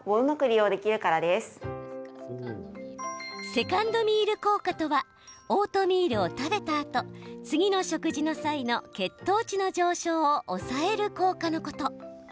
セカンドミール効果とはオートミールを食べたあと次の食事の際の血糖値の上昇を抑える効果のこと。